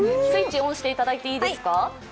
スイッチをオンしていただいていいですか。